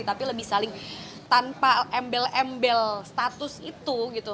tapi lebih saling tanpa embel embel status itu gitu